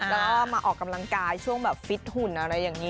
แล้วก็มาออกกำลังกายช่วงแบบฟิตหุ่นอะไรอย่างนี้